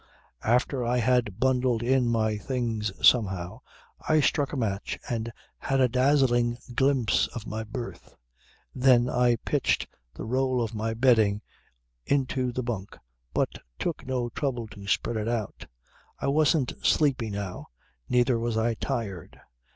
"After I had bundled in my things somehow I struck a match and had a dazzling glimpse of my berth; then I pitched the roll of my bedding into the bunk but took no trouble to spread it out. I wasn't sleepy now, neither was I tired.